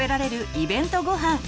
イベントごはん」。